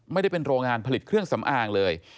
ไม่ได้เป็นโรงงานผลิตเครื่องสำอางเลย